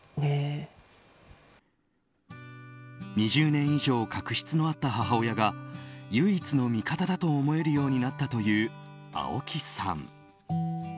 ２０年以上確執のあった母親が唯一の味方だと思えるようになったという青木さん。